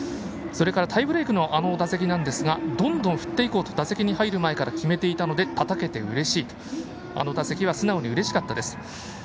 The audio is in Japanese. それからタイブレークのあの打席なんですがどんどん振っていこうと打席に入る前から決めていたのでたたけてうれしいあの打席は素直にうれしかったです。